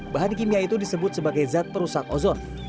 bahan kimia itu disebut sebagai zat perusak ozon